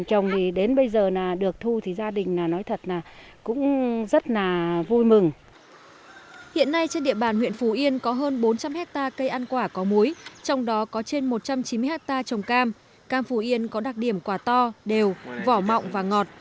trong đó có trên một trăm chín mươi hectare trồng cam cam phú yên có đặc điểm quả to đều vỏ mọng và ngọt